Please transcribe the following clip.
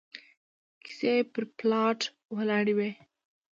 کيسې پر پلاټ ولاړې وي